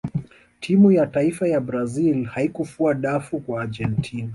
timu ya taifa ya brazil haikufua dafu kwa argentina